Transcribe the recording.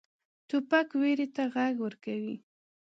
توپک ویرې ته غږ ورکوي.